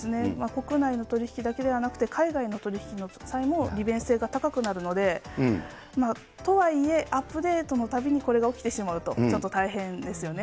国内の取り引きだけではなくて、海外の取り引きの際も利便性が高くなるので、とはいえ、アップデートのたびにこれが起きてしまうと、ちょっと大変ですよね。